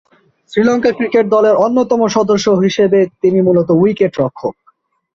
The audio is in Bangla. শ্রীলঙ্কা ক্রিকেট দলের অন্যতম সদস্য হিসেবে তিনি মূলতঃ উইকেট-রক্ষক।